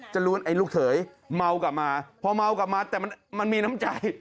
ล้วนไอ้ลูกเขยเมากลับมาพอเมากลับมาแต่มันมีน้ำใจ